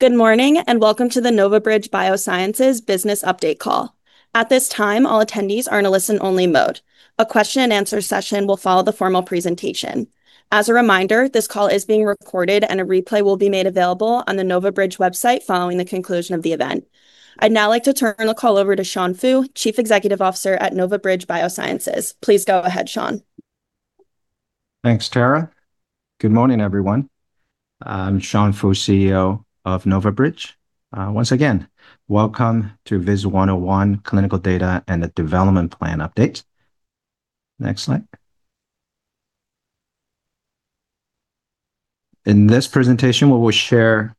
Good morning, and welcome to the NovaBridge Biosciences business update call. At this time, all attendees are in a listen-only mode. A question and answer session will follow the formal presentation. As a reminder, this call is being recorded, and a replay will be made available on the NovaBridge website following the conclusion of the event. I'd now like to turn the call over to Sean Fu, Chief Executive Officer at NovaBridge Biosciences. Please go ahead, Sean. Thanks, Tara. Good morning, everyone. I'm Sean Fu, CEO of NovaBridge. Once again, welcome to VIS-101 clinical data and the development plan update. Next slide. In this presentation, we will share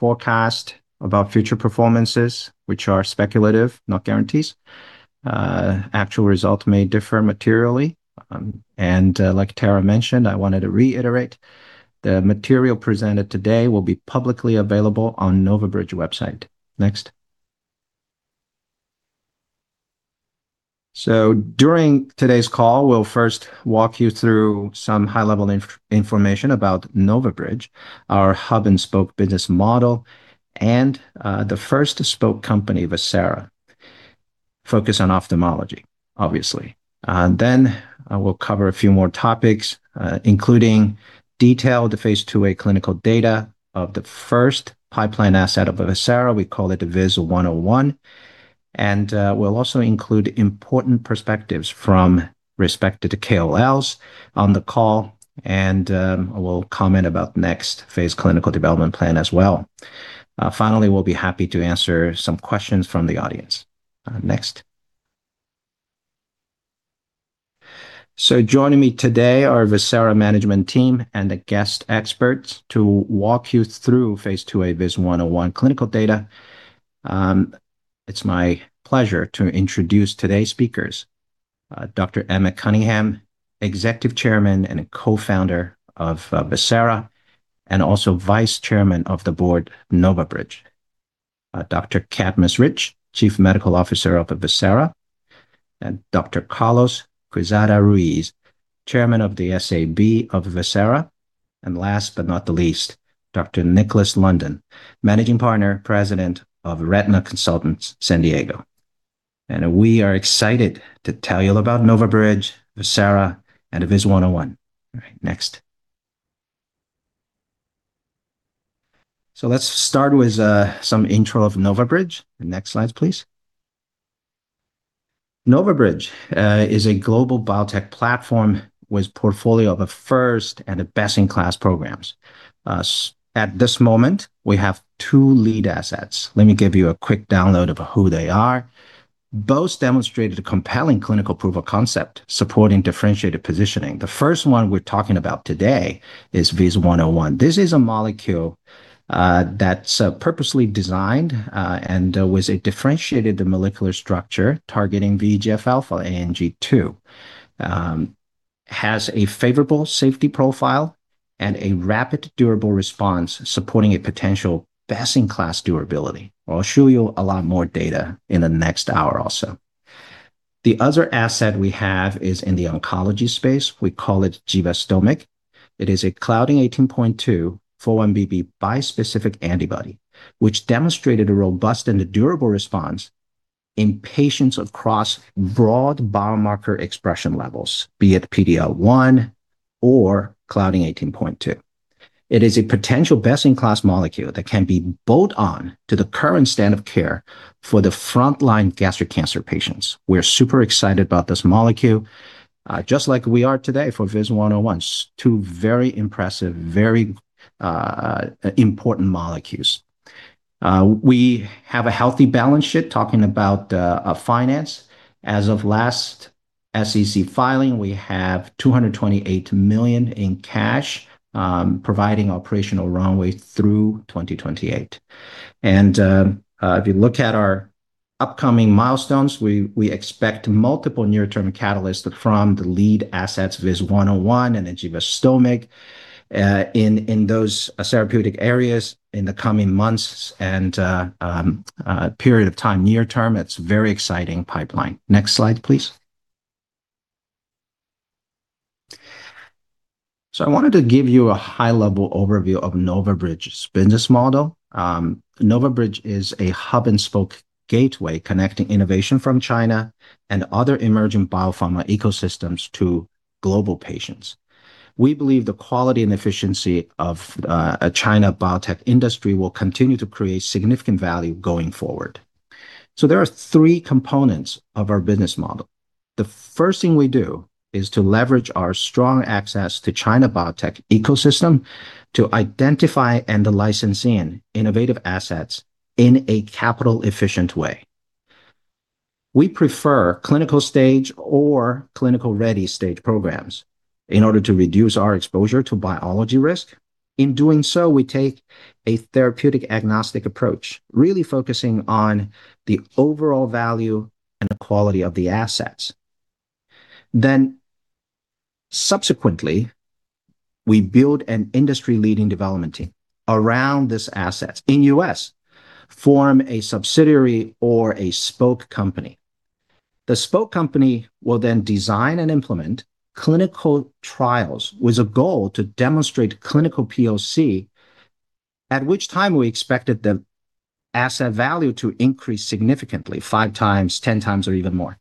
forecast about future performances, which are speculative, not guarantees. Actual results may differ materially. Like Tara mentioned, I wanted to reiterate the material presented today will be publicly available on NovaBridge website. Next. During today's call, we'll first walk you through some high-level information about NovaBridge, our hub and spoke business model, and the first spoke company, Visara. Focus on ophthalmology, obviously. Then I will cover a few more topics, including detail the phase IIa clinical data of the first pipeline asset of Visara. We call it the VIS-101. We'll also include important perspectives from respected KOLs on the call, and we'll comment about next phase clinical development plan as well. Finally, we'll be happy to answer some questions from the audience. Next. Joining me today are Visara management team and the guest experts to walk you through phase IIa VIS-101 clinical data. It's my pleasure to introduce today's speakers, Dr. Emmett Cunningham, Executive Chairman and Co-founder of Visara, and also Vice Chairman of the board, NovaBridge. Dr. Cadmus Rich, Chief Medical Officer of Visara, and Dr. Carlos Quezada-Ruiz, Chairman of the SAB of Visara. Last but not the least, Dr. Nikolas London, Managing Partner, President of Retina Consultants San Diego. We are excited to tell you about NovaBridge, Visara, and the VIS-101. All right. Next. Let's start with some intro of NovaBridge. The next slides, please. NovaBridge is a global biotech platform with portfolio of the first and the best-in-class programs. At this moment, we have two lead assets. Let me give you a quick download of who they are. Both demonstrated a compelling clinical proof of concept supporting differentiated positioning. The first one we're talking about today is VIS-101. This is a molecule that's purposely designed and with a differentiated molecular structure targeting VEGF-A ANG-2. Has a favorable safety profile and a rapid durable response supporting a potential best-in-class durability. I'll show you a lot more data in the next hour also. The other asset we have is in the oncology space. We call it givastomig. It is a Claudin 18.2 4-1BB bispecific antibody, which demonstrated a robust and a durable response in patients across broad biomarker expression levels, be it PD-L1 or Claudin 18.2. It is a potential best-in-class molecule that can be bolt on to the current standard of care for the frontline gastric cancer patients. We're super excited about this molecule, just like we are today for VIS-101. Two very impressive, very important molecules. We have a healthy balance sheet talking about our finance. As of last SEC filing, we have $228 million in cash, providing operational runway through 2028. If you look at our upcoming milestones, we expect multiple near-term catalysts from the lead assets VIS-101 and givastomig in those therapeutic areas in the coming months and period of time near term. It's very exciting pipeline. Next slide, please. I wanted to give you a high-level overview of NovaBridge's business model. NovaBridge is a hub and spoke gateway connecting innovation from China and other emerging biopharma ecosystems to global patients. We believe the quality and efficiency of a China biotech industry will continue to create significant value going forward. There are three components of our business model. The first thing we do is to leverage our strong access to China biotech ecosystem to identify and to license in innovative assets in a capital efficient way. We prefer clinical stage or clinical-ready stage programs in order to reduce our exposure to biology risk. In doing so, we take a therapeutic agnostic approach, really focusing on the overall value and the quality of the assets. Subsequently, we build an industry-leading development team around these assets in the U.S., form a subsidiary or a spoke company. The spoke company will then design and implement clinical trials with a goal to demonstrate clinical POC, at which time we expected the asset value to increase significantly 5 times, 10 times, or even more.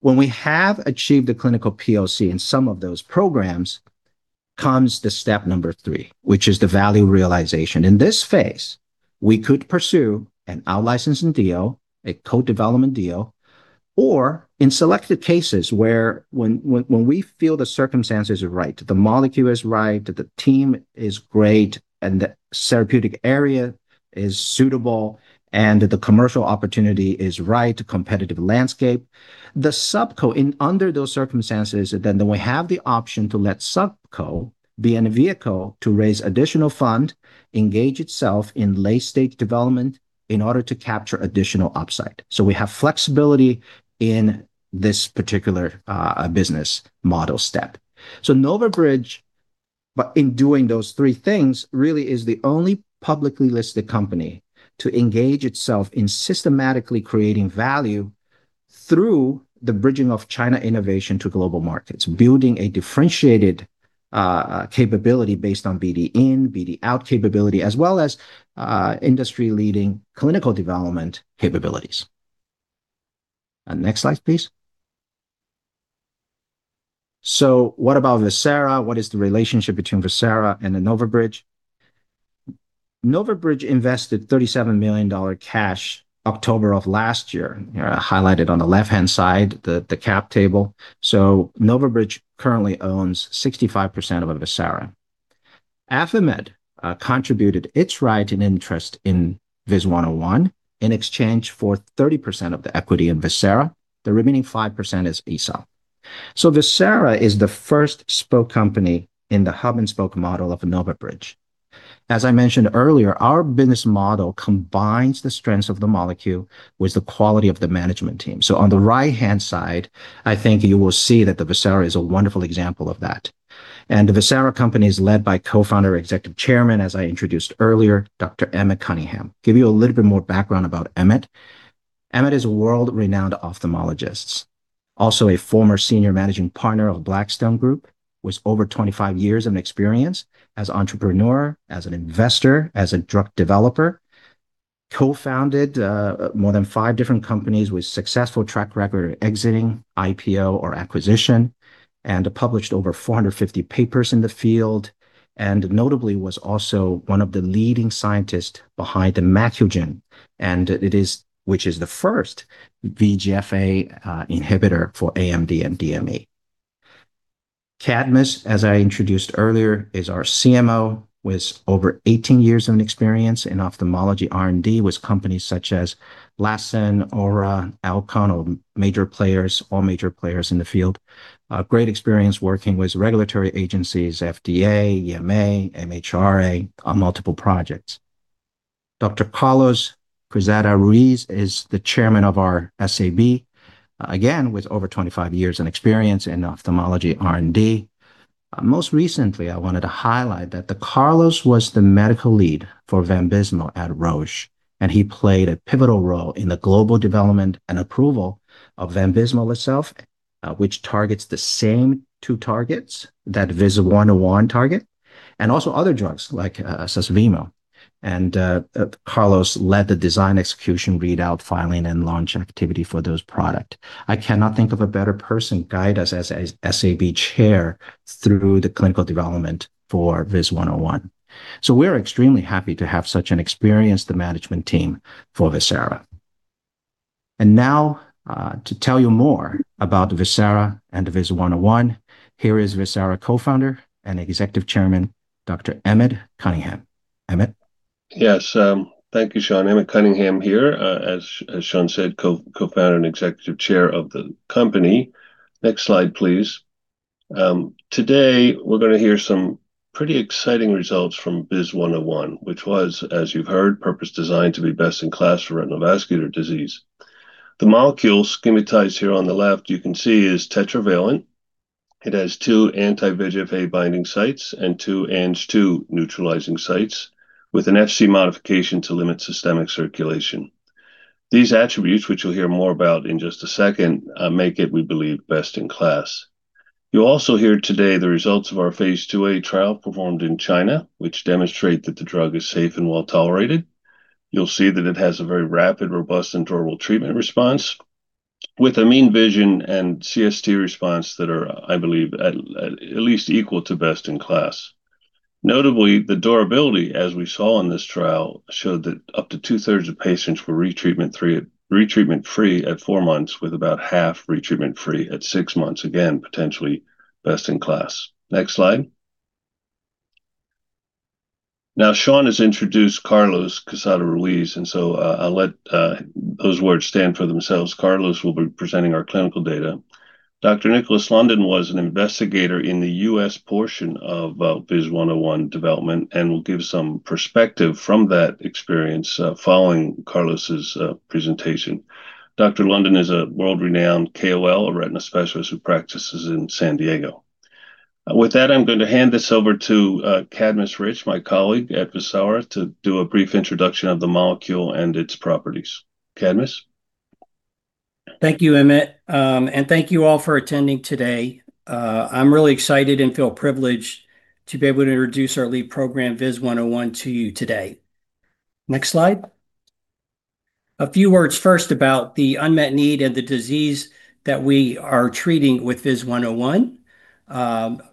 When we have achieved the clinical POC in some of those programs comes the step number three, which is the value realization. In this phase, we could pursue an out-licensing deal, a co-development deal, or in selected cases where when we feel the circumstances are right, the molecule is right, the team is great, and the therapeutic area is suitable, and the commercial opportunity is right, competitive landscape, the subco in under those circumstances, then we have the option to let subco be in a vehicle to raise additional fund, engage itself in late-stage development in order to capture additional upside. We have flexibility in this particular business model step. NovaBridge, but in doing those three things, really is the only publicly listed company to engage itself in systematically creating value through the bridging of China innovation to global markets, building a differentiated capability based on BD in, BD out capability, as well as industry-leading clinical development capabilities. Next slide, please. What about Visara? What is the relationship between Visara and NovaBridge? NovaBridge invested $37 million cash October of last year. Here I highlighted on the left-hand side the cap table. NovaBridge currently owns 65% of Visara. AffaMed contributed its right and interest in VIS-101 in exchange for 30% of the equity in Visara. The remaining 5% is ESA. Visara is the first spoke company in the hub-and-spoke model of NovaBridge. As I mentioned earlier, our business model combines the strengths of the molecule with the quality of the management team. On the right-hand side, I think you will see that the Visara is a wonderful example of that. The Visara company is led by Co-founder Executive Chairman, as I introduced earlier, Dr. Emmett Cunningham. Give you a little bit more background about Emmett. Emmett is a world-renowned ophthalmologist, also a former senior managing partner of Blackstone Group, with over 25 years of experience as entrepreneur, as an investor, as a drug developer. Co-founded more than five different companies with successful track record exiting IPO or acquisition, published over 450 papers in the field, notably was also one of the leading scientists behind the Macugen, which is the first VEGF-A inhibitor for AMD and DME. Cadmus, as I introduced earlier, is our CMO with over 18 years of experience in ophthalmology R&D with companies such as Lassen, Aura, Elcano, major players, all major players in the field. Great experience working with regulatory agencies, FDA, EMA, MHRA on multiple projects. Dr. Carlos Quezada Ruiz is the chairman of our SAB, again, with over 25 years in experience in ophthalmology R&D. Most recently, I wanted to highlight that the Carlos was the medical lead for Vabysmo at Roche, and he played a pivotal role in the global development and approval of Vabysmo itself, which targets the same two targets that VIS-101 target, and also other drugs like Susvimo. Carlos led the design execution readout filing and launch activity for those product. I cannot think of a better person guide us as SAB chair through the clinical development for VIS-101. We're extremely happy to have such an experienced management team for Visara. Now, to tell you more about Visara and VIS-101, here is Visara Co-founder and Executive Chairman, Dr. Emmett Cunningham. Emmett? Yes, thank you, Sean. Emmett Cunningham here, as Sean said, co-founder and Executive Chair of the company. Next slide, please. Today we're going to hear some pretty exciting results from VIS-101, which was, as you've heard, purpose-designed to be best in class for retinal vascular disease. The molecule schematized here on the left, you can see is tetravalent. It has two anti-VEGF-A binding sites and two ANG-2 neutralizing sites with an Fc modification to limit systemic circulation. These attributes, which you'll hear more about in just a second, make it, we believe, best in class. You'll also hear today the results of our phase IIa trial performed in China, which demonstrate that the drug is safe and well-tolerated. You'll see that it has a very rapid, robust, and durable treatment response with a mean vision and CST response that are, I believe, at least equal to best in class. Notably, the durability, as we saw in this trial, showed that up to two-thirds of patients were retreatment-free at four months, with about half retreatment-free at six months. Again, potentially best in class. Next slide. Now, Sean has introduced Carlos Quezada-Ruiz, so I'll let those words stand for themselves. Carlos will be presenting our clinical data. Dr. Nikolas London was an investigator in the U.S. portion of VIS-101 development and will give some perspective from that experience, following Carlos's presentation. Dr. London is a world-renowned KOL, a retina specialist who practices in San Diego. With that, I'm going to hand this over to Cadmus Rich, my colleague at Visara, to do a brief introduction of the molecule and its properties. Cadmus. Thank you, Emmett. Thank you all for attending today. I'm really excited and feel privileged to be able to introduce our lead program, VIS-101, to you today. Next slide. A few words first about the unmet need and the disease that we are treating with VIS-101.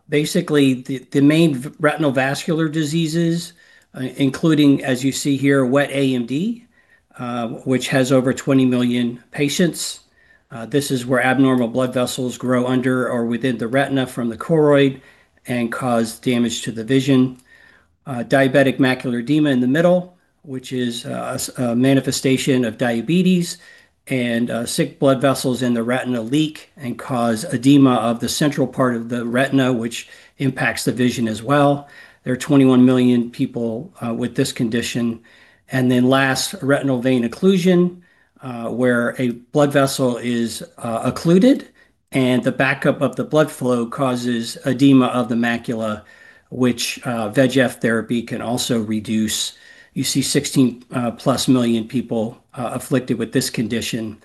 Basically, the main retinal vascular diseases, including, as you see here, wet AMD, which has over 20 million patients. This is where abnormal blood vessels grow under or within the retina from the choroid and cause damage to the vision. Diabetic macular edema in the middle, which is a manifestation of diabetes, sick blood vessels in the retina leak and cause edema of the central part of the retina, which impacts the vision as well. There are 21 million people with this condition. Last, retinal vein occlusion, where a blood vessel is occluded and the backup of the blood flow causes edema of the macula, which VEGF therapy can also reduce. You see 16+ million people afflicted with this condition.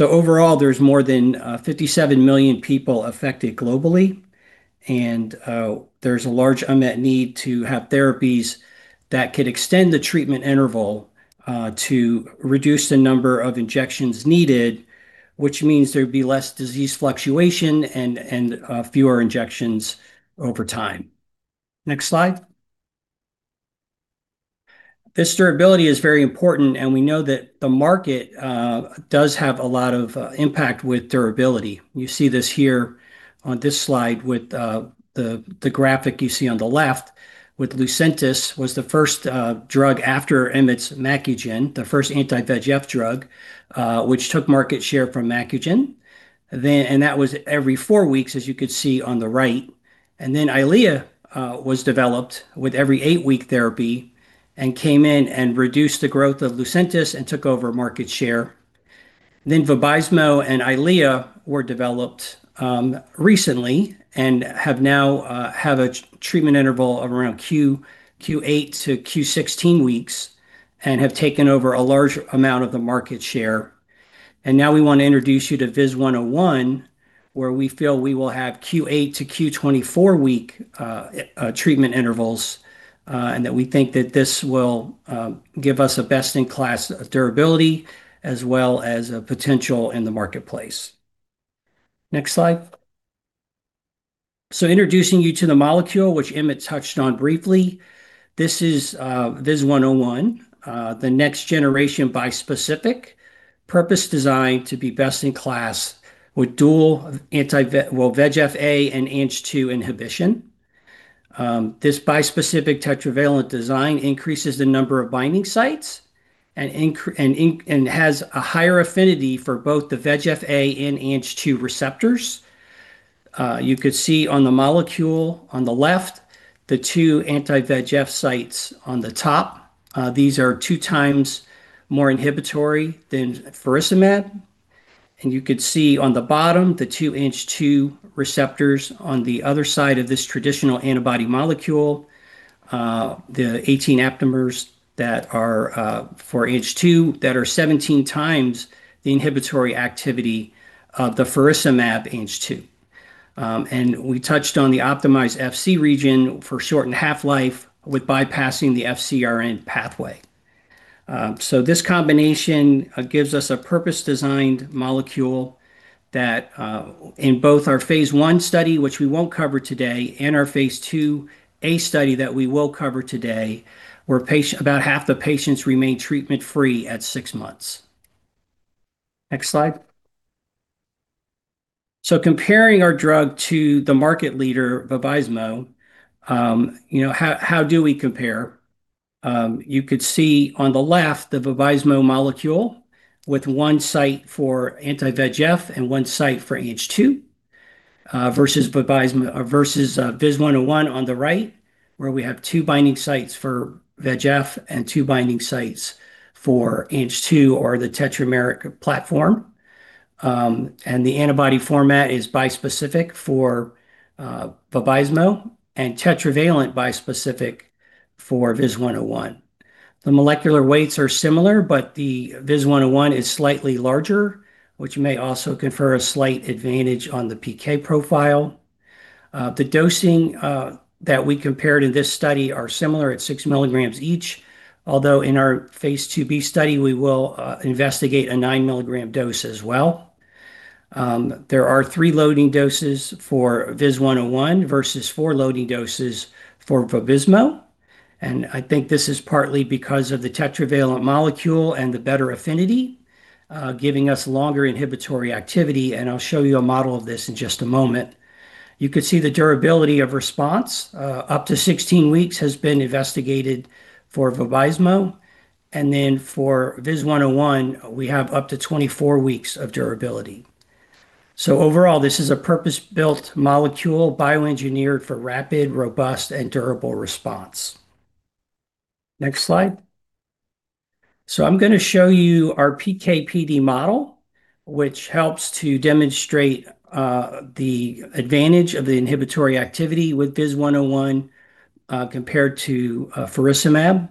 Overall, there's more than 57 million people affected globally, and there's a large unmet need to have therapies that could extend the treatment interval to reduce the number of injections needed, which means there'd be less disease fluctuation and fewer injections over time. Next slide. This durability is very important, and we know that the market does have a lot of impact with durability. You see this here on this slide with the graphic you see on the left with Lucentis was the first drug after Emmett's Macugen, the first anti-VEGF drug, which took market share from Macugen. That was every four weeks, as you could see on the right. Eylea was developed with every eightweek therapy and came in and reduced the growth of Lucentis and took over market share. Vabysmo and Eylea were developed recently and have now have a treatment interval of around Q8-Q16 weeks and have taken over a large amount of the market share. Now we wanna introduce you to VIS-101, where we feel we will have Q8 to Q24-week treatment intervals, and that we think that this will give us a best-in-class durability as well as a potential in the marketplace. Next slide. Introducing you to the molecule, which Emmett touched on briefly. This is VIS-101, the next generation bispecific, purpose-designed to be best in class with dual VEGF-A and Ang-2 inhibition. This bispecific tetravalent design increases the number of binding sites and has a higher affinity for both the VEGF-A and Ang-2 receptors. You could see on the molecule on the left, the two anti-VEGF sites on the top. These are two times more inhibitory than faricimab. You could see on the bottom, the two ANG-2 receptors on the other side of this traditional antibody molecule. The 18 aptamers that are for ANG-2 that are 17 times the inhibitory activity of the faricimab ANG-2. We touched on the optimized Fc region for shortened half-life with bypassing the FcRn pathway. This combination gives us a purpose-designed molecule that in both our phase I study, which we won't cover today, and our phase IIa study, that we will cover today, where about half the patients remain treatment-free at six months. Next slide. Comparing our drug to the market leader, Vabysmo, you know, how do we compare? You could see on the left the Vabysmo molecule with one site for anti-VEGF and one site for ANG-2 versus VIS-101 on the right, where we have two binding sites for VEGF and two binding sites for ANG-2 or the tetravalent platform. The antibody format is bispecific for Vabysmo and tetravalent bispecific for VIS-101. The molecular weights are similar, but the VIS-101 is slightly larger, which may also confer a slight advantage on the PK profile. The dosing that we compared in this study are similar at 6 mg each. Although in our phase IIb study, we will investigate a 9 mg dose as well. There are three loading doses for VIS-101 versus four loading doses for Vabysmo. I think this is partly because of the tetravalent molecule and the better affinity, giving us longer inhibitory activity, and I'll show you a model of this in just a moment. You could see the durability of response, up to 16 weeks has been investigated for Vabysmo. For VIS-101, we have up to 24 weeks of durability. Overall, this is a purpose-built molecule, bioengineered for rapid, robust, and durable response. Next slide. I'm gonna show you our PK/PD model, which helps to demonstrate the advantage of the inhibitory activity with VIS-101 compared to faricimab.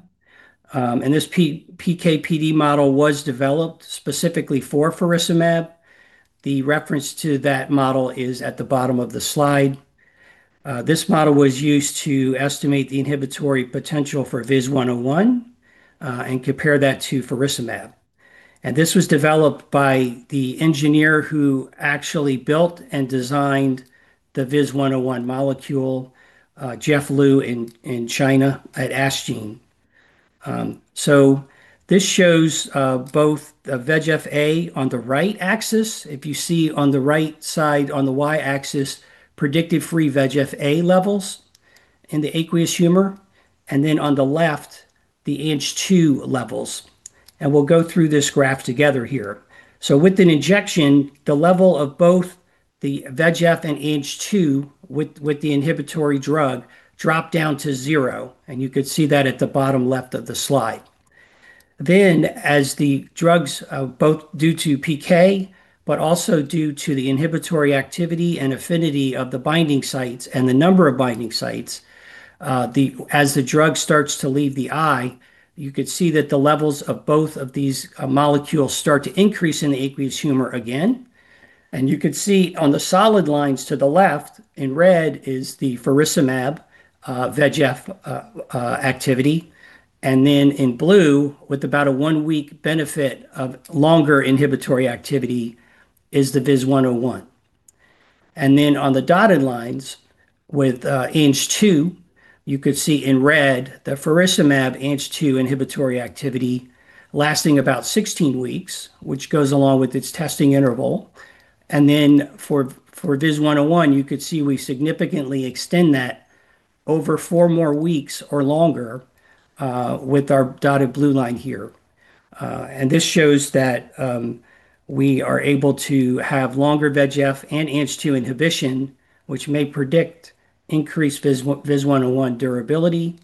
This PK/PD model was developed specifically for faricimab. The reference to that model is at the bottom of the slide. This model was used to estimate the inhibitory potential for VIS-101 and compare that to faricimab. This was developed by the engineer who actually built and designed the VIS-101 molecule, Jeff Lu in China at AskGene. This shows both the VEGF-A on the right axis. If you see on the right side on the Y-axis, predicted free VEGF-A levels in the aqueous humor, and then on the left, the Ang-2 levels. We'll go through this graph together here. With an injection, the level of both the VEGF and Ang-2 with the inhibitory drug dropped down to zero, and you could see that at the bottom left of the slide. As the drugs, both due to PK, but also due to the inhibitory activity and affinity of the binding sites and the number of binding sites, as the drug starts to leave the eye, you could see that the levels of both of these molecules start to increase in the aqueous humor again. You could see on the solid lines to the left in red is the faricimab VEGF activity. In blue, with about a one-week benefit of longer inhibitory activity is the VIS-101. On the dotted lines with ANG-2, you could see in red the faricimab ANG-2 inhibitory activity lasting about 16 weeks, which goes along with its testing interval. For VIS-101, you could see we significantly extend that over four more weeks or longer with our dotted blue line here. This shows that we are able to have longer VEGF and Ang-2 inhibition, which may predict increased VIS-101 durability.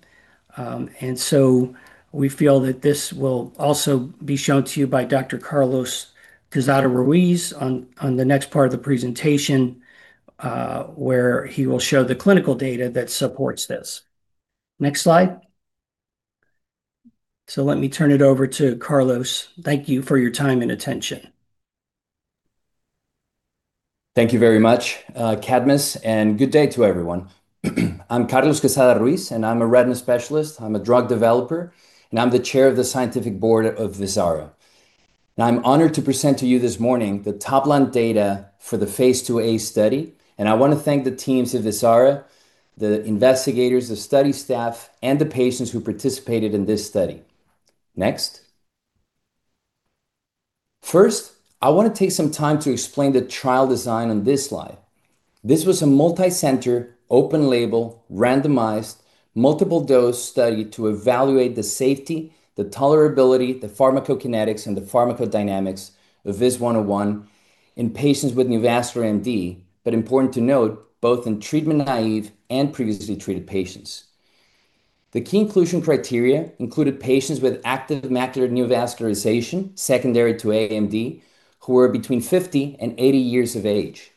We feel that this will also be shown to you by Dr. Carlos Quezada-Ruiz on the next part of the presentation, where he will show the clinical data that supports this. Next slide. Let me turn it over to Carlos. Thank you for your time and attention. Thank you very much, Cadmus. Good day to everyone. I'm Carlos Quezada-Ruiz, and I'm a retina specialist, I'm a drug developer, and I'm the chair of the scientific board of Visara. I'm honored to present to you this morning the top-line data for the phase IIa study. I want to thank the teams of Visara, the investigators, the study staff, and the patients who participated in this study. Next. First, I want to take some time to explain the trial design on this slide. This was a multicenter, open-label, randomized, multiple-dose study to evaluate the safety, the tolerability, the pharmacokinetics, and the pharmacodynamics of VIS-101 in patients with neovascular AMD, important to note, both in treatment-naive and previously treated patients. The key inclusion criteria included patients with active macular neovascularization secondary to AMD who were between 50 and 80 years of age.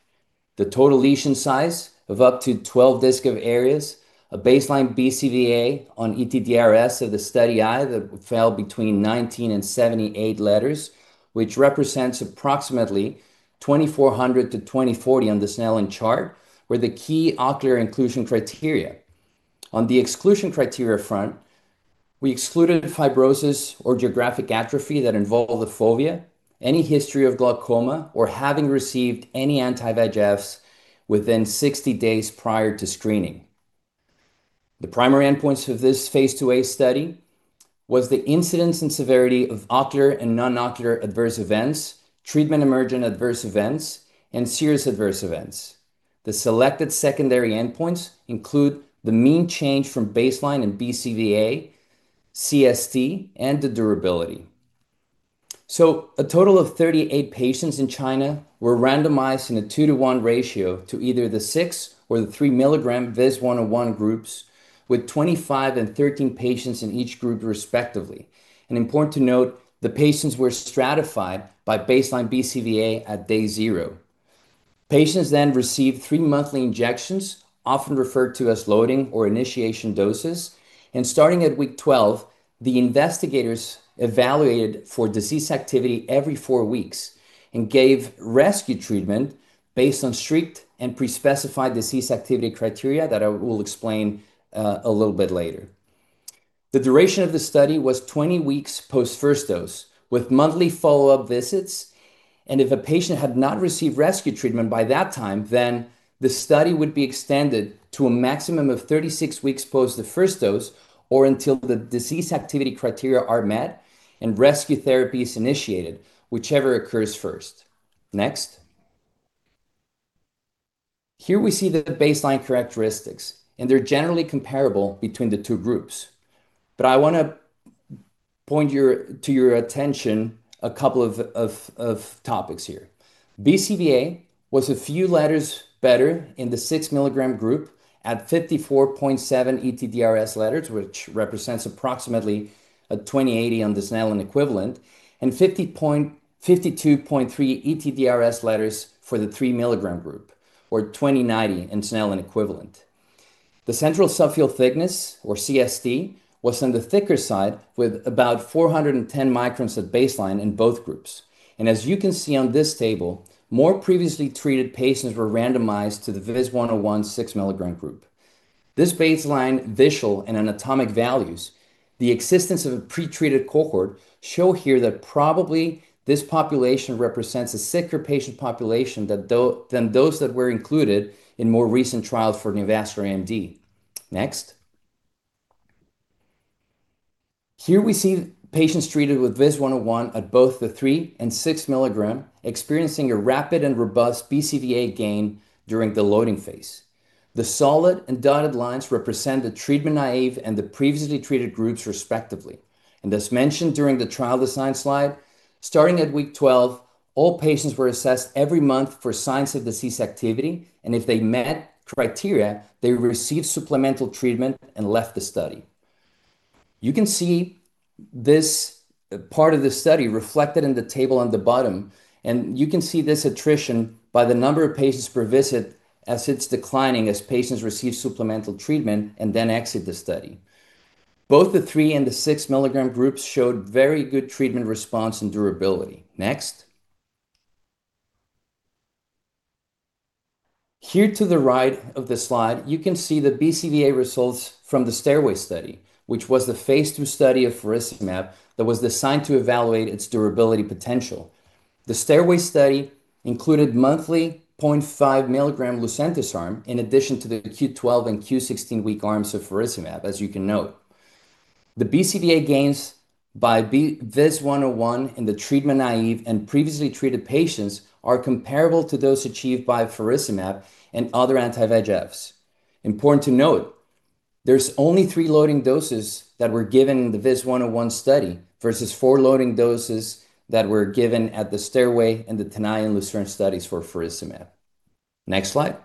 The total lesion size of up to 12 disc of areas, a baseline BCVA on ETDRS of the study eye that fell between 19 and 78 letters, which represents approximately 2,400-2040 on the Snellen chart, were the key ocular inclusion criteria. On the exclusion criteria front, we excluded fibrosis or geographic atrophy that involved the fovea, any history of glaucoma or having received any anti-VEGFs within 60 days prior to screening. The primary endpoints of this phase IIa study was the incidence and severity of ocular and non-ocular adverse events, treatment emergent adverse events, and serious adverse events. The selected secondary endpoints include the mean change from baseline in BCVA, CST, and the durability. A total of 38 patients in China were randomized in a 2-1 ratio to either the three or the 3 mg VIS-101 groups with 25 and 13 patients in each group respectively. Important to note, the patients were stratified by baseline BCVA at day zero. Patients then received 3 monthly injections, often referred to as loading or initiation doses. Starting at week 12, the investigators evaluated for disease activity every fourr weeks and gave rescue treatment based on strict and pre-specified disease activity criteria that I will explain a little bit later. The duration of the study was 20 weeks post first dose with monthly follow-up visits. If a patient had not received rescue treatment by that time, then the study would be extended to a maximum of 36 weeks post the first dose or until the disease activity criteria are met and rescue therapy is initiated, whichever occurs first. Next. Here we see the baseline characteristics, and they're generally comparable between the two groups. I wanna point to your attention a couple of topics here. BCVA was a few letters better in the 6-mg group at 54.7 ETDRS letters, which represents approximately 20/80 on the Snellen equivalent, and 52.3 ETDRS letters for the 3 mg group, or 20/90 in Snellen equivalent. The central subfield thickness, or CST, was on the thicker side with about 410 microns at baseline in both groups. As you can see on this table, more previously treated patients were randomized to the VIS-101 6-mg group. This baseline visual and anatomic values, the existence of a pre-treated cohort show here that probably this population represents a sicker patient population that than those that were included in more recent trials for neovascular AMD. Next. Here we see patients treated with VIS-101 at both the three and 6 mg experiencing a rapid and robust BCVA gain during the loading phase. The solid and dotted lines represent the treatment naive and the previously treated groups respectively. As mentioned during the trial design slide, starting at week 12, all patients were assessed every month for signs of disease activity, and if they met criteria, they received supplemental treatment and left the study. You can see this part of the study reflected in the table on the bottom, and you can see this attrition by the number of patients per visit as it's declining as patients receive supplemental treatment and then exit the study. Both the three and the 6 mg groups showed very good treatment response and durability. Next. Here to the right of the slide, you can see the BCVA results from the STAIRWAY study, which was the phase II study of faricimab that was designed to evaluate its durability potential. The STAIRWAY study included monthly 0.5 mg Lucentis arm in addition to the Q12 and Q16 week arms of faricimab, as you can note. The BCVA gains by VIS-101 in the treatment-naive and previously treated patients are comparable to those achieved by faricimab and other anti-VEGFs. Important to note, there's only three loading doses that were given in the VIS-101 study versus four loading doses that were given at the STAIRWAY and the TENAYA and LUCERNE studies for faricimab. Next slide.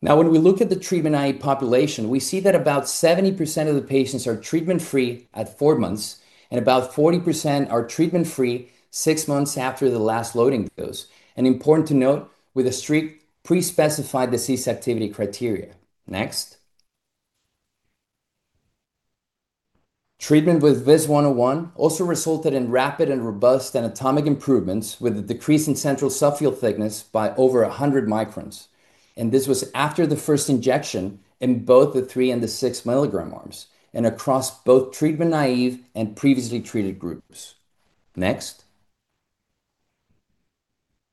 When we look at the treatment-naive population, we see that about 70% of the patients are treatment free at four months and about 40% are treatment free six months after the last loading dose. Important to note, with a strict pre-specified disease activity criteria. Next. Treatment with VIS-101 also resulted in rapid and robust anatomic improvements with a decrease in central subfield thickness by over 100 microns. This was after the first injection in both the three and the 6 mg arms and across both treatment-naive and previously treated groups. Next.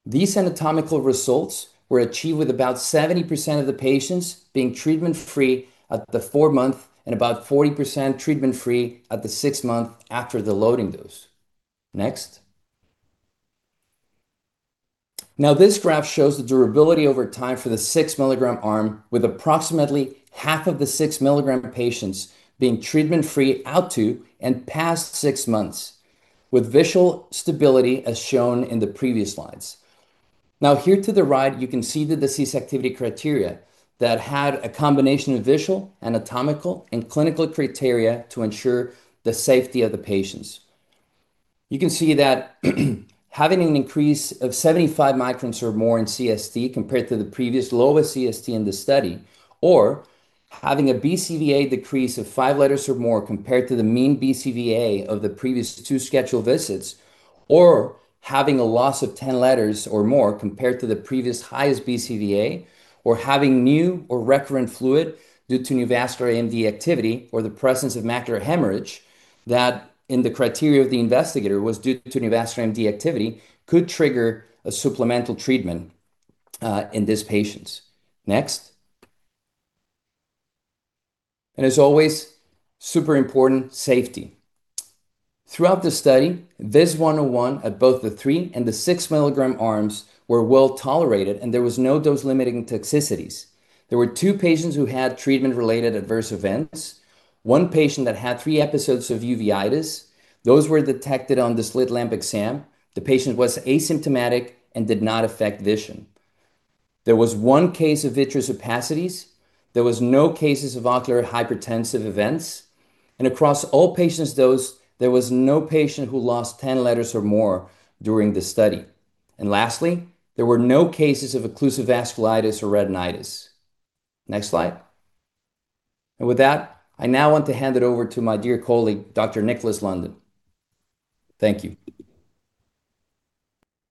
These anatomical results were achieved with about 70% of the patients being treatment free at the four month and about 40% treatment free at the six month after the loading dose. Next. This graph shows the durability over time for the 6 mg arm with approximately half of the 6 mg patients being treatment free out to and past six months, with visual stability as shown in the previous slides. Here to the right, you can see the disease activity criteria that had a combination of visual, anatomical, and clinical criteria to ensure the safety of the patients. You can see that having an increase of 75 microns or more in CST compared to the previous lowest CST in the study, or having a BCVA decrease of five letters or more compared to the mean BCVA of the previous two scheduled visits, or having a loss of 10 letters or more compared to the previous highest BCVA, or having new or recurrent fluid due to neovascular AMD activity, or the presence of macular hemorrhage, that in the criteria of the investigator was due to neovascular AMD activity could trigger a supplemental treatment in these patients. Next. As always, super important, safety. Throughout the study, VIS-101 at both the three and the 6 mg arms were well-tolerated, and there was no dose-limiting toxicities. There were two patients who had treatment-related adverse events. One patient that had three episodes of uveitis. Those were detected on the slit lamp exam. The patient was asymptomatic and did not affect vision. There was one case of vitreous opacities. There was no cases of ocular hypertensive events. Across all patients dosed, there was no patient who lost 10 letters or more during the study. Lastly, there were no cases of occlusive vasculitis or retinitis. Next slide. With that, I now want to hand it over to my dear colleague, Dr. Nikolas London. Thank you.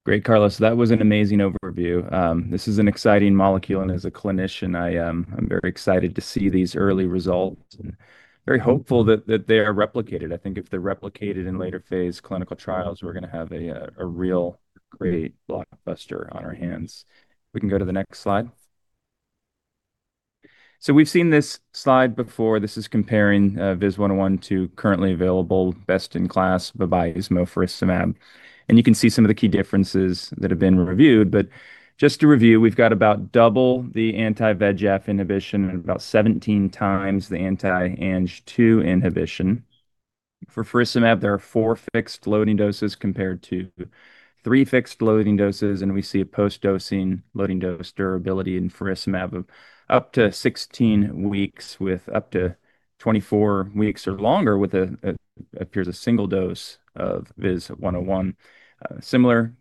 Great, Carlos. That was an amazing overview. This is an exciting molecule, and as a clinician, I'm very excited to see these early results and very hopeful that they are replicated. I think if they're replicated in later phase clinical trials, we're going to have a real great blockbuster on our hands. We can go to the next slide. We've seen this slide before. This is comparing VIS-101 to currently available best in class bevacizumab or faricimab. You can see some of the key differences that have been reviewed. Just to review, we've got about double the anti-VEGF inhibition and about 17 times the anti-ANG-2 inhibition. For faricimab, there are four fixed loading doses compared to three fixed loading doses, we see a post-dosing loading dose durability in faricimab of up to 16 weeks with up to 24 weeks or longer with appears a single dose of VIS-101. Similar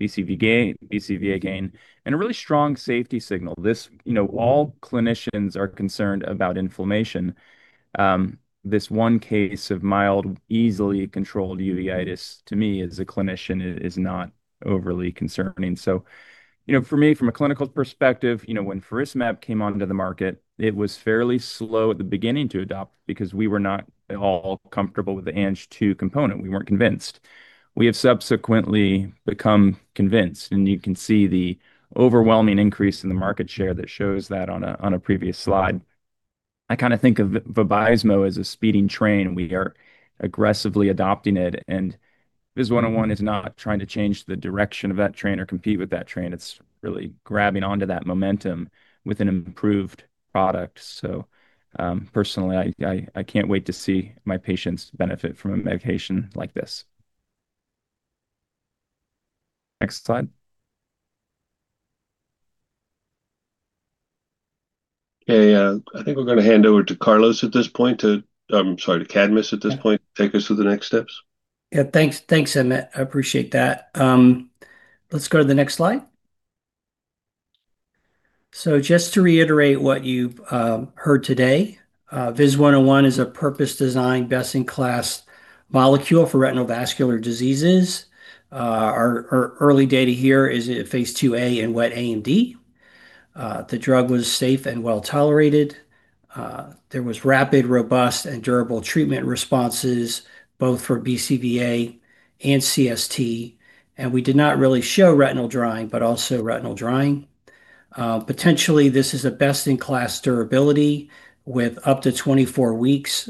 BCVA gain and a really strong safety signal. You know, all clinicians are concerned about inflammation. This one case of mild, easily controlled uveitis to me as a clinician is not overly concerning. You know, for me, from a clinical perspective, you know, when faricimab came onto the market, it was fairly slow at the beginning to adopt because we were not at all comfortable with the ANG-2 component. We weren't convinced. We have subsequently become convinced, and you can see the overwhelming increase in the market share that shows that on a previous slide. I kind of think of Vabysmo as a speeding train, we are aggressively adopting it. VIS-101 is not trying to change the direction of that train or compete with that train. It's really grabbing onto that momentum with an improved product. Personally, I can't wait to see my patients benefit from a medication like this. Next slide. Okay. I think we're going to hand over, sorry, to Cadmus at this point to take us through the next steps. Yeah. Thanks, Emmett. I appreciate that. Let's go to the next slide. Just to reiterate what you've heard today, VIS-101 is a purpose-designed, best-in-class molecule for retinal vascular diseases. Our early data here is at phase IIa in wet AMD. The drug was safe and well-tolerated. There was rapid, robust, and durable treatment responses both for BCVA and CST, and we did not really show retinal drying, but also retinal drying. Potentially this is a best-in-class durability with up to 24 weeks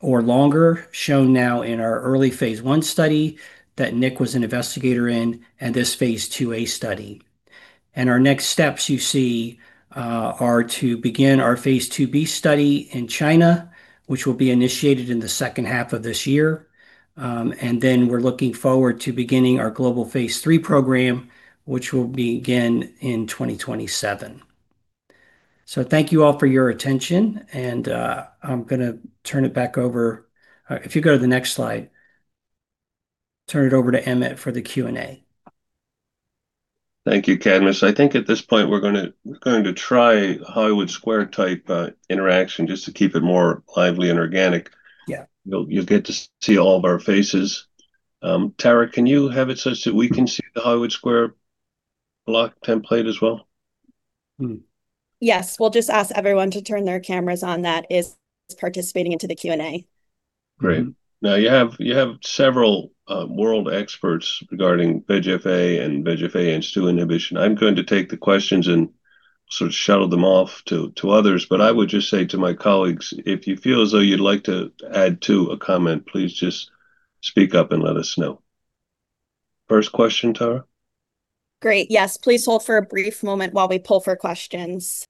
or longer, shown now in our early phase I study that Nick was an investigator in and this phase IIa study. Our next steps you see are to begin our phase IIb study in China, which will be initiated in the second half of this year. We're looking forward to beginning our global phase III program, which will begin in 2027. Thank you all for your attention, and if you go to the next slide, turn it over to Emmett for the Q&A. Thank you, Cadmus. I think at this point we're going to try Hollywood Squares-type interaction just to keep it more lively and organic. Yeah. You'll get to see all of our faces. Tara, can you have it such that we can see the Hollywood Squares block template as well? Mm-hmm. Yes. We'll just ask everyone to turn their cameras on that is participating into the Q&A. Great. Now you have several world experts regarding VEGF-A and VEGF-A Ang-2 inhibition. I'm going to take the questions and sort of shuttle them off to others. I would just say to my colleagues, if you feel as though you'd like to add to a comment, please just speak up and let us know. First question, Tara. Great. Yes, please hold for a brief moment while we pull for questions.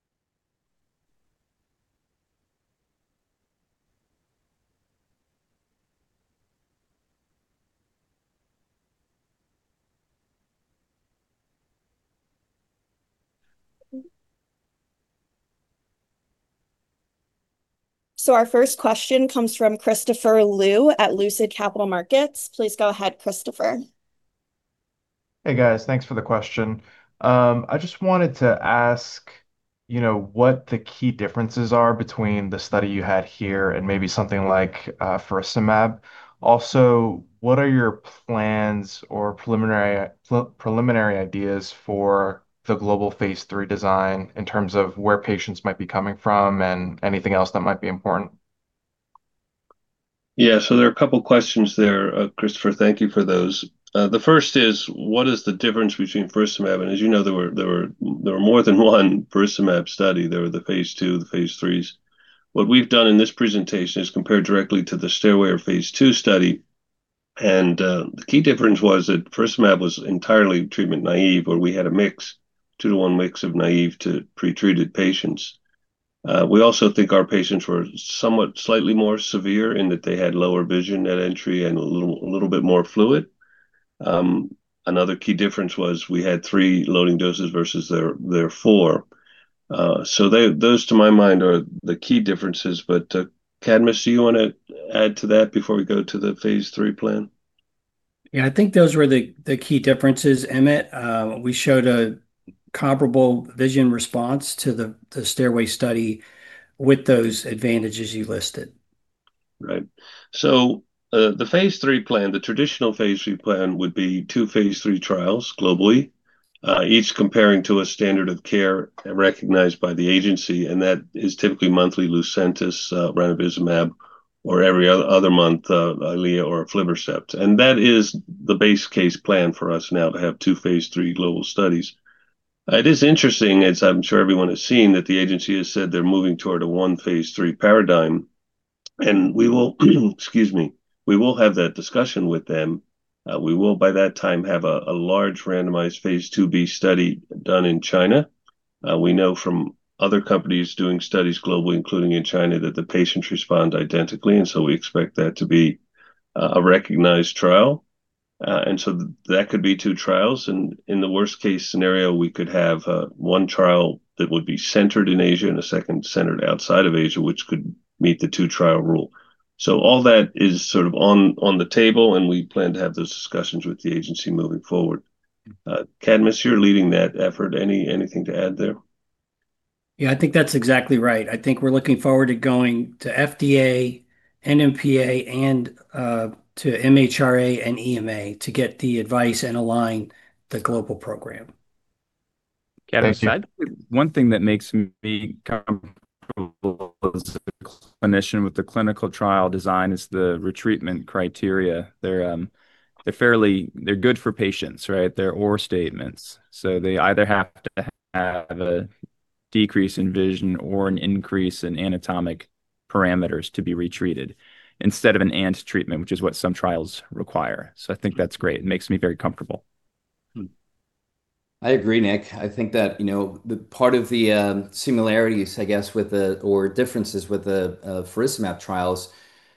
Our first question comes from Christopher Liu at Lucid Capital Markets. Please go ahead, Christopher. Hey, guys. Thanks for the question. I just wanted to ask, you know, what the key differences are between the study you had here and maybe something like, faricimab. Also, what are your plans or preliminary ideas for the global phase III design in terms of where patients might be coming from and anything else that might be important? There are a couple questions there, Christopher. Thank you for those. The first is, what is the difference between faricimab? As you know, there were more than one faricimab study. There were the phase II, the phase IIIs. What we've done in this presentation is compare directly to the STAIRWAY phase II study. The key difference was that faricimab was entirely treatment naive, where we had a mix, 2-1 mix of naive to pretreated patients. We also think our patients were somewhat slightly more severe in that they had lower vision at entry and a little bit more fluid. Another key difference was we had three loading doses versus their four. Those to my mind are the key differences. Cadmus, do you wanna add to that before we go to the phase III plan? Yeah. I think those were the key differences, Emmett. We showed a comparable vision response to the STAIRWAY study with those advantages you listed. Right. The phase III plan, the traditional phase III plan would be two phase III trials globally, each comparing to a standard of care recognized by the agency, that is typically monthly Lucentis, ranibizumab, or every other month, Eylea or aflibercept. That is the base case plan for us now to have two phase III global studies. It is interesting, as I'm sure everyone has seen, that the agency has said they're moving toward a one phase III paradigm, we will have that discussion with them. We will by that time have a large randomized phase IIb study done in China. We know from other companies doing studies globally, including in China, that the patients respond identically, and so we expect that to be a recognized trial. That could be two trials. In the worst case scenario, we could have one trial that would be centered in Asia and a second centered outside of Asia, which could meet the two-trial rule. All that is sort of on the table, and we plan to have those discussions with the agency moving forward. Cadmus, you're leading that effort. Anything to add there? Yeah, I think that's exactly right. I think we're looking forward to going to FDA and MPA and to MHRA and EMA to get the advice and align the global program. Thank you. Cadmus, one thing that makes me comfortable as a clinician with the clinical trial design is the retreatment criteria. They're good for patients, right? They're or statements. They either have to have a decrease in vision or an increase in anatomic parameters to be retreated instead of an and treatment, which is what some trials require. I think that's great. It makes me very comfortable. Mm. I agree, Nick. I think that, you know, the part of the similarities, I guess, with the or differences with the faricimab trials,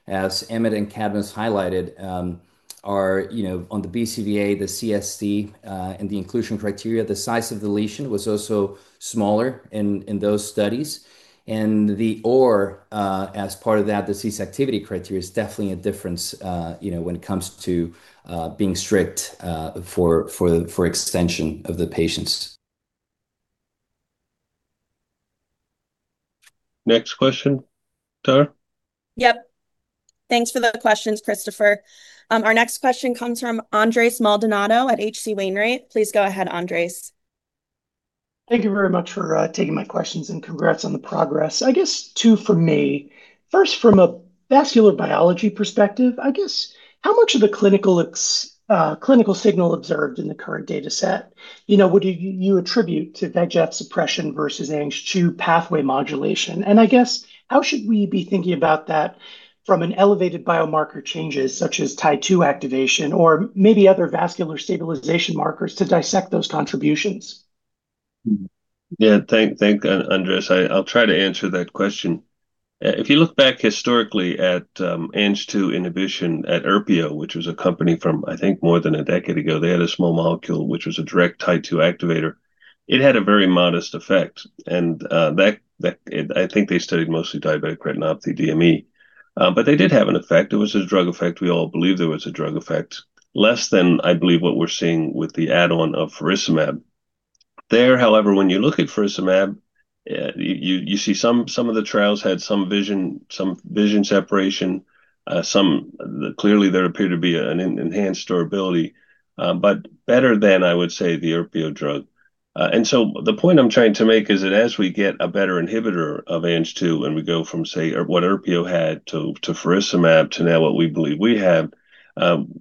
as Emmett and Cadmus highlighted, are, you know, on the BCVA, the CST, and the inclusion criteria. The size of the lesion was also smaller in those studies. The or, as part of that, the disease activity criteria is definitely a difference, you know, when it comes to being strict for extension of the patients. Next question, Tara. Yep. Thanks for the questions, Christopher. Our next question comes from Andres Maldonado at H.C. Wainwright. Please go ahead, Andres. Thank you very much for taking my questions. Congrats on the progress. I guess two for me. First, from a vascular biology perspective, I guess how much of the clinical signal observed in the current dataset, you know, would you attribute to VEGF suppression versus ANG-2 pathway modulation? I guess, how should we be thinking about that from an elevated biomarker changes such as TIE2 activation or maybe other vascular stabilization markers to dissect those contributions? Thank, Andres. I'll try to answer that question. If you look back historically at ANG-2 inhibition at Aerpio, which was a company from, I think more than a decade ago, they had a small molecule, which was a direct TIE2 activator. It had a very modest effect. That I think they studied mostly diabetic retinopathy DME. They did have an effect. It was a drug effect. We all believe there was a drug effect. Less than, I believe, what we're seeing with the add-on of faricimab. There, however, when you look at faricimab, you see some of the trials had some vision separation, clearly there appeared to be an enhanced durability, better than, I would say, the Aerpio drug. The point I'm trying to make is that as we get a better inhibitor of ANG-2, and we go from, say, or what Aerpio had to faricimab to now what we believe we have,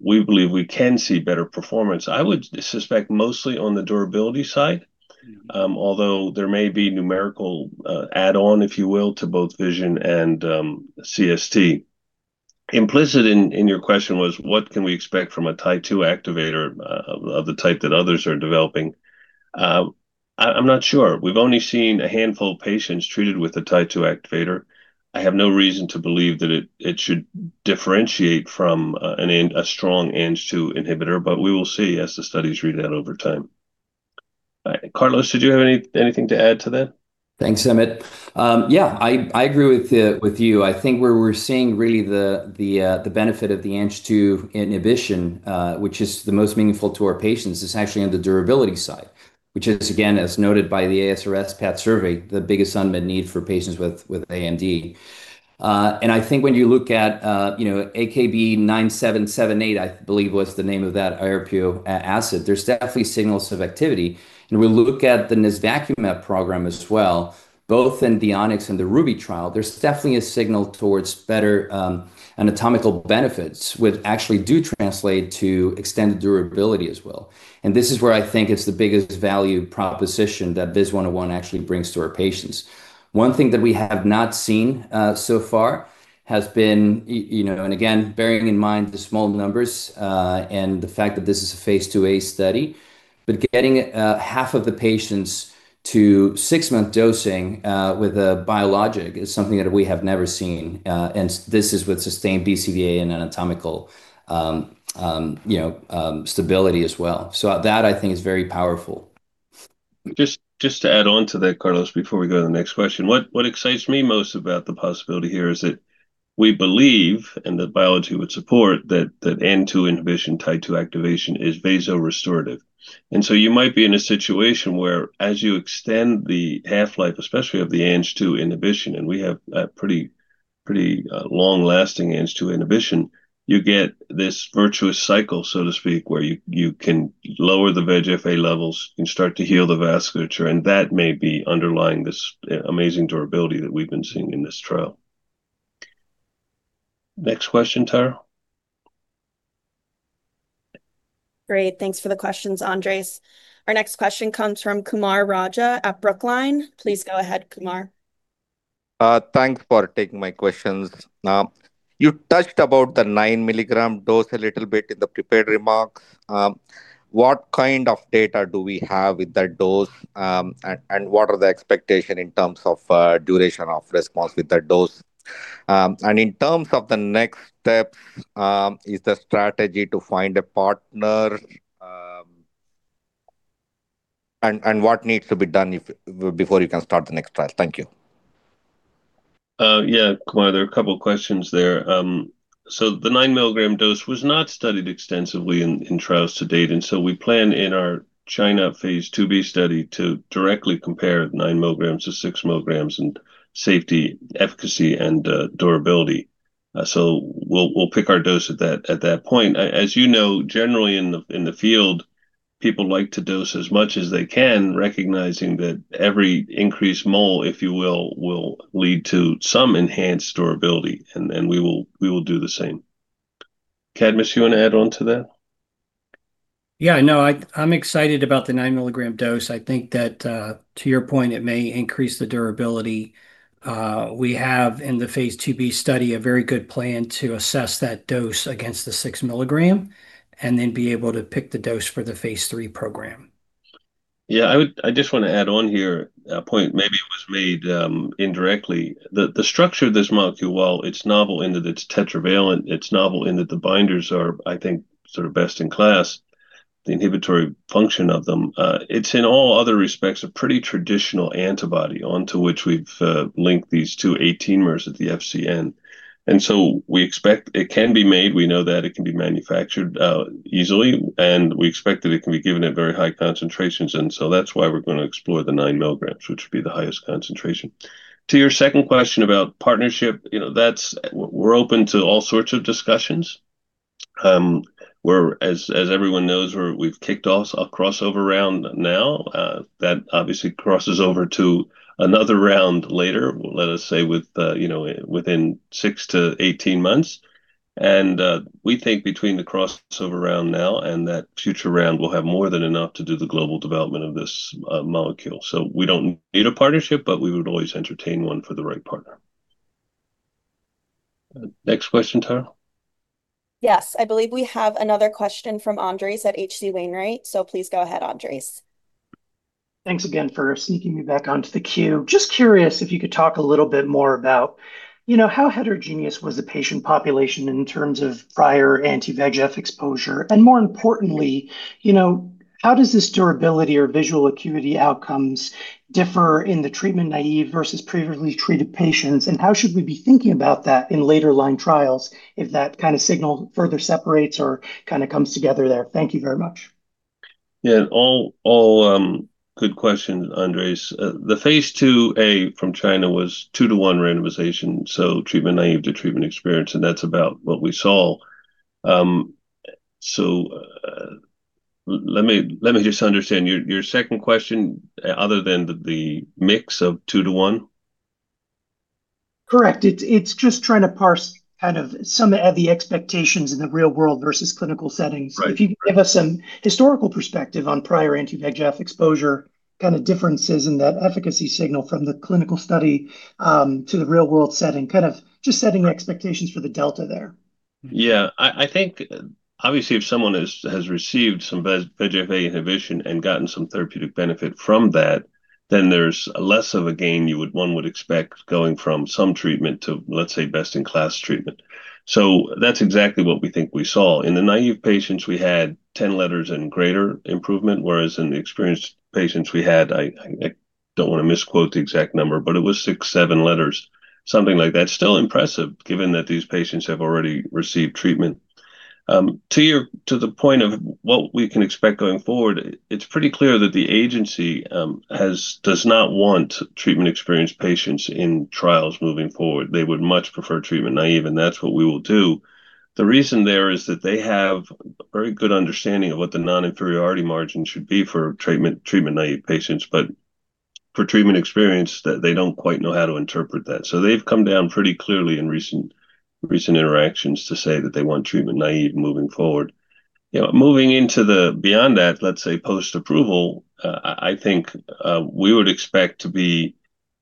we believe we can see better performance, I would suspect mostly on the durability side. Mm-hmm ...although there may be numerical add-on, if you will, to both vision and CST. Implicit in your question was what can we expect from a TIE2 activator of the type that others are developing. I'm not sure. We've only seen a handful of patients treated with a TIE2 activator. I have no reason to believe that it should differentiate from a strong ANG-2 inhibitor, but we will see as the studies read out over time. Carlos, did you have anything to add to that? Thanks, Emmett. Yeah, I agree with you. I think where we're seeing really the benefit of the ANG-2 inhibition, which is the most meaningful to our patients, is actually on the durability side, which is again, as noted by the ASRS path survey, the biggest unmet need for patients with AMD. I think when you look at, you know, AKB-9778, I believe was the name of that Aerpio acid, there's definitely signals of activity. We look at the nesvacumab program as well, both in the ONYX and the RUBY trial. There's definitely a signal towards better anatomical benefits which actually do translate to extended durability as well. This is where I think it's the biggest value proposition that VIS-101 actually brings to our patients. One thing that we have not seen, so far has been, you know, and again, bearing in mind the small numbers, and the fact that this is a phase IIa study, but getting half of the patients to 6-month dosing with a biologic is something that we have never seen. This is with sustained BCVA and anatomical, you know, stability as well. That I think is very powerful. Just to add on to that, Carlos, before we go to the next question. What excites me most about the possibility here is that we believe, and the biology would support, that ANG-2 inhibition, TIE2 activation is vasorestorative. You might be in a situation where as you extend the half-life, especially of the ANG-2 inhibition, and we have a pretty long-lasting ANG-2 inhibition, you get this virtuous cycle, so to speak, where you can lower the VEGF-A levels and start to heal the vasculature, and that may be underlying this amazing durability that we've been seeing in this trial. Next question, Tara. Great. Thanks for the questions, Andres. Our next question comes from Kumar Raja at Brookline. Please go ahead, Kumar. Thanks for taking my questions. You touched about the 9 mg dose a little bit in the prepared remarks. What kind of data do we have with that dose, and what are the expectation in terms of duration of response with that dose? In terms of the next steps, is the strategy to find a partner? What needs to be done if, before you can start the next trial? Thank you. Yeah, Kumar, there are a couple questions there. The 9 mg dose was not studied extensively in trials to date. We plan in our China phase IIb study to directly compare 9 mg-6 mg in safety, efficacy, and durability. We'll pick our dose at that point. As you know, generally in the field, people like to dose as much as they can, recognizing that every increased mole, if you will lead to some enhanced durability. We will do the same. Cadmus, you wanna add on to that? No, I'm excited about the 9 mg dose. I think that, to your point, it may increase the durability. We have in the phase IIb study a very good plan to assess that dose against the 6 mg and then be able to pick the dose for the phase III program. I just wanna add on here a point, maybe it was made indirectly. The structure of this molecule, while it's novel in that it's tetravalent, it's novel in that the binders are, I think, sort of best in class, the inhibitory function of them, it's in all other respects a pretty traditional antibody onto which we've linked these two 18-mers at the Fc. We expect it can be made, we know that it can be manufactured easily, we expect that it can be given at very high concentrations, that's why we're gonna explore the 9 mg, which would be the highest concentration. To your second question about partnership, you know, we're open to all sorts of discussions. As everyone knows, we've kicked off a crossover round now that obviously crosses over to another round later, let us say with, you know, within 6-18 months, and we think between the crossover round now and that future round we'll have more than enough to do the global development of this molecule. We don't need a partnership, but we would always entertain one for the right partner. Next question, Tara. Yes. I believe we have another question from Andres at H.C. Wainwright. Please go ahead, Andres. Thanks again for sneaking me back onto the queue. Just curious if you could talk a little bit more about, you know, how heterogeneous was the patient population in terms of prior anti-VEGF exposure, and more importantly, you know, how does this durability or visual acuity outcomes differ in the treatment naive versus previously treated patients, and how should we be thinking about that in later line trials if that kind of signal further separates or kind of comes together there? Thank you very much. Yeah. All, good questions, Andres. The phase IIa from China was 2-1 randomization, so treatment naive to treatment experienced, that's about what we saw. Let me just understand. Your second question, other than the mix of 2-1? Correct. It's just trying to parse kind of some of the expectations in the real world versus clinical settings. Right. If you could give us some historical perspective on prior anti-VEGF exposure kind of differences in that efficacy signal from the clinical study, to the real world setting, kind of just setting expectations for the delta there. I think obviously if someone has received some VEGF inhibition and gotten some therapeutic benefit from that, then there's less of a gain one would expect going from some treatment to, let's say, best in class treatment. That's exactly what we think we saw. In the naive patients, we had 10 letters and greater improvement, whereas in the experienced patients we had. I don't wanna misquote the exact number, but it was six, seven letters. Something like that. Still impressive given that these patients have already received treatment. To the point of what we can expect going forward, it's pretty clear that the agency does not want treatment experienced patients in trials moving forward. They would much prefer treatment naive, and that's what we will do. The reason there is that they have very good understanding of what the non-inferiority margin should be for treatment naive patients. For treatment experienced, that they don't quite know how to interpret that. They've come down pretty clearly in recent interactions to say that they want treatment naive moving forward. You know, moving into the, beyond that, let's say post-approval, I think we would expect to be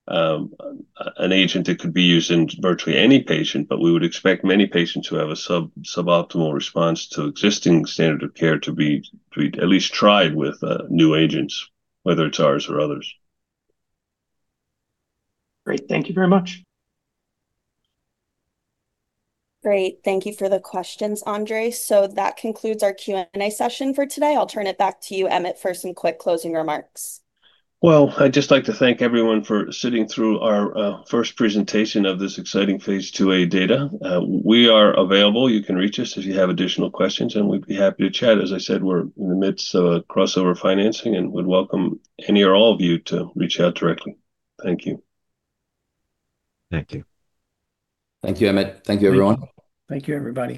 an agent that could be used in virtually any patient. We would expect many patients who have a suboptimal response to existing standard of care to be at least tried with new agents, whether it's ours or others. Great. Thank you very much. Great. Thank you for the questions, Andres. That concludes our Q&A session for today. I'll turn it back to you, Emmet, for some quick closing remarks. Well, I'd just like to thank everyone for sitting through our first presentation of this exciting phase IIa data. We are available. You can reach us if you have additional questions, and we'd be happy to chat. As I said, we're in the midst of a crossover financing and would welcome any or all of you to reach out directly. Thank you. Thank you. Thank you, Emmett. Thank you, everyone. Thank you, everybody.